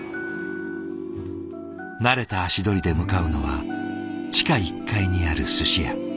慣れた足取りで向かうのは地下１階にあるすし屋。